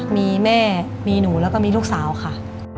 มีแม่มีหนูแล้วก็มีลูกสาวค่ะ